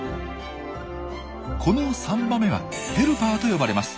この３羽目は「ヘルパー」と呼ばれます。